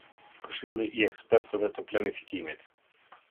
Këshilli i ekspertëve të planifikimit.